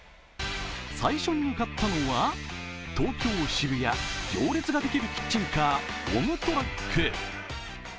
最初に向かったのは東京・渋谷行列が出来るキッチンカー・オムトラック。